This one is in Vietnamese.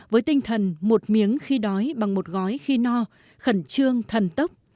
với tinh thần một miếng khi đói bằng một gói khi no khẩn trương thần tốc